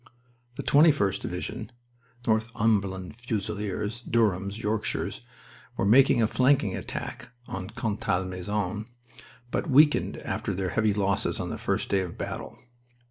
The 21st Division Northumberland Fusiliers, Durhams, Yorkshires were making a flanking attack on Contalmaison, but weakened after their heavy losses on the first day of battle.